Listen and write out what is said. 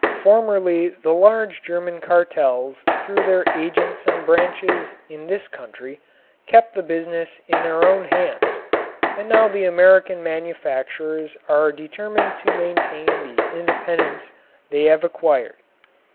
Formerly the large German cartels through their agents and branches in this country kept the business in their own hands and now the American manufacturers are determined to maintain the independence they have acquired.